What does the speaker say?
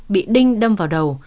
bị đinh đâm vào đầu